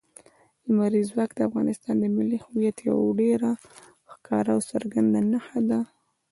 لمریز ځواک د افغانستان د ملي هویت یوه ډېره ښکاره او څرګنده نښه ده.